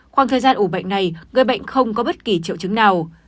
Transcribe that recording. khoảng thời gian ủ bệnh này người bệnh không có bất kỳ triệu chứng nào